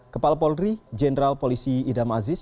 kepala polri jenderal polisi idam aziz